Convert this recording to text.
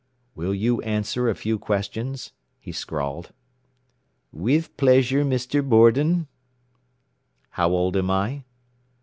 "Will you answer a few questions?" he scrawled. "With pleasure, Mr. Borden." "How old am I?"